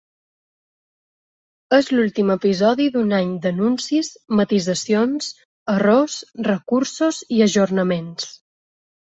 És l’últim episodi d’un any d’anuncis, matisacions, errors, recursos i ajornaments.